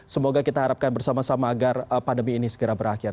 semoga kita harapkan bersama sama agar pandemi ini segera berakhir